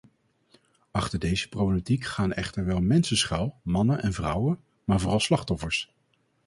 Achter deze problematiek gaan echter wel mensen schuil, mannen en vrouwen, maar vooral slachtoffers.